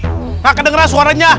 enggak kedengeran suaranya